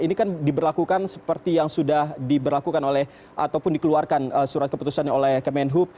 ini kan diberlakukan seperti yang sudah diberlakukan oleh ataupun dikeluarkan surat keputusan oleh kemenhub